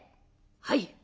「はい。